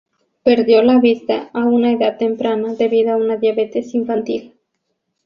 Perdió la vista a una edad temprana debido a una diabetes infantil.